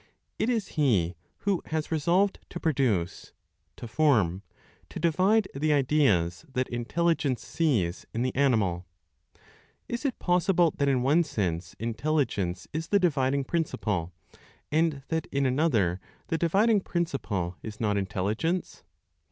It is he who has resolved to produce, to form, to divide the ideas that intelligence sees in the Animal. Is it possible that in one sense intelligence is the dividing principle, and that in another the dividing principle is not intelligence?